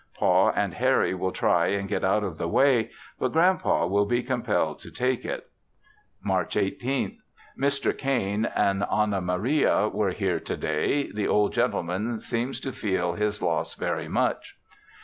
Pa and Harry will try and get out of the way, but Grand Pa will be compelled to take it. March 18th. Mr. Cain and Anna Maria were here to day; the old gentleman seems to feel his loss very much.